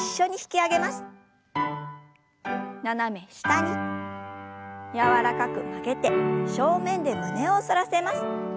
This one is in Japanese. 斜め下に柔らかく曲げて正面で胸を反らせます。